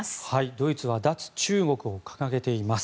ドイツは脱中国を掲げています。